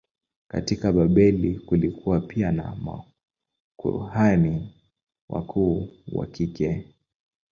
Katika Babeli kulikuwa pia na makuhani wakuu wa kike.